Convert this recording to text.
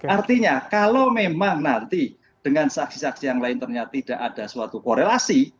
artinya kalau memang nanti dengan saksi saksi yang lain ternyata tidak ada suatu korelasi